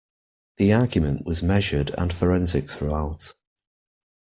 The argument was measured and forensic throughout.